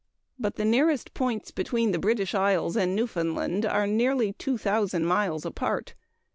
but the nearest points between the British Isles and Newfoundland are nearly 2,000 miles apart.